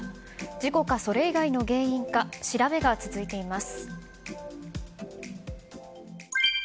事故か、それ以外の原因か調べが続いています。